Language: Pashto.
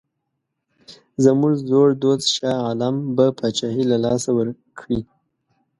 زموږ زوړ دوست شاه عالم به پاچهي له لاسه ورکړي.